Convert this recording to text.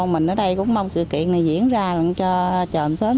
mình ở đây cũng mong sự kiện này diễn ra cho trời ấm sớm